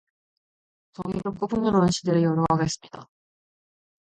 정의롭고 풍요로운 시대를 열어가겠습니다